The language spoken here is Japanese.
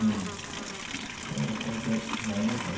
どうもこれで参りましたね。